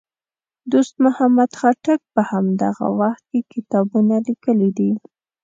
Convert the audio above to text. دوست محمد خټک په همدغه وخت کې کتابونه لیکي دي.